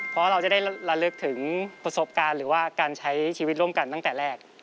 เพราะเราจะได้ระลึกถึงประสบการณ์หรือว่าการใช้ชีวิตร่วมกันตั้งแต่แรก